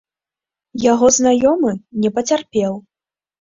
Яго знаёмы не пацярпеў.